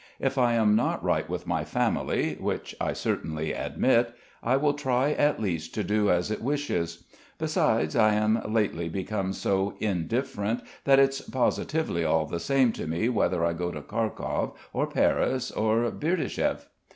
If I am not right with my family, which I certainly admit, I will try at least to do as it wishes. Besides I am lately become so indifferent that it's positively all the same, to me whether I go to Kharkov, or Paris, or Berditshev.